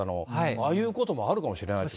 ああいうこともあるかもしれないでしょ？